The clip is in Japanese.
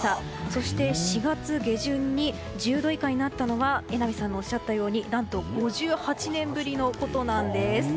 そして４月下旬に１０度以下になったのは榎並さんがおっしゃったように何と５８年ぶりのことなんです。